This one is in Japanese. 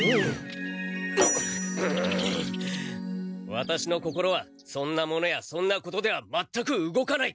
ワタシの心はそんなものやそんなことでは全く動かない。